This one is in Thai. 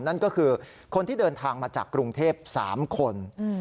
นั่นก็คือคนที่เดินทางมาจากกรุงเทพ๓คน